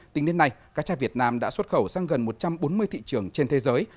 tính đến nay cá tra việt nam đã xuất khẩu sang gần một trăm bốn mươi thị trường trên thế giới